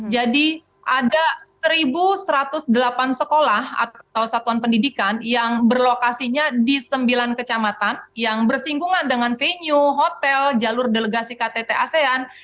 jadi ada seribu satu ratus delapan sekolah atau satuan pendidikan yang berlokasinya di sembilan kecamatan yang bersinggungan dengan venue hotel jalur delegasi ktt asean